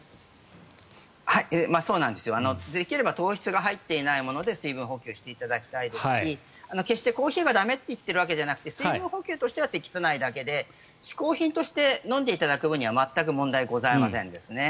できれば糖質が入っていないもので水分補給していただきたいですし決してコーヒーが駄目と言っているわけじゃなくて水分補給としては適さないだけで、嗜好品として飲んでいただく分には全く問題ございません。